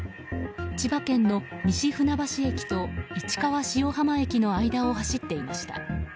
千葉県の西船橋駅と市川塩浜駅の間を走っていました。